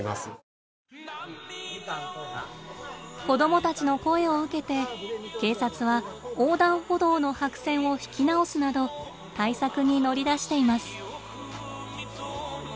子どもたちの声を受けて警察は横断歩道の白線を引き直すなど対策に乗り出しています。